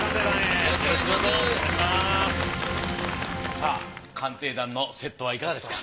さあ「鑑定団」のセットはいかがですか？